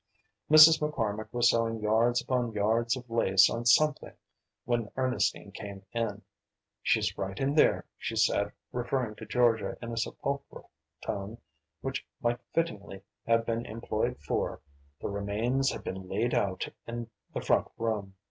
Mrs. McCormick was sewing yards upon yards of lace on something when Ernestine came in. "She's right in there," she said, referring to Georgia in a sepulchral tone which might fittingly have been employed for: "The remains have been laid out in the front room."